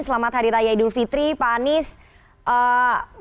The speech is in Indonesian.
selamat hari raya idul fitri pak anies